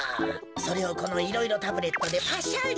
それをこのいろいろタブレットでパシャリ。